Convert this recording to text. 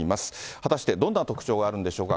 果たしてどんな特徴があるんでしょうか。